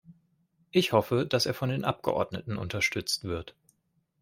Ich hoffe, dass er von den Abgeordneten unterstützt wird.